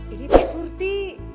ini teh surti